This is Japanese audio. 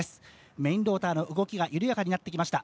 メインローターの動きが緩やかになってきました。